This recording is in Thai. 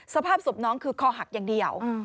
สภาพศพน้องคือคอหักอย่างเดียว